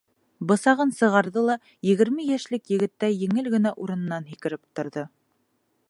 Бысағын сығарҙы ла егерме йәшлек егеттәй еңел генә урынынан һикереп торҙо.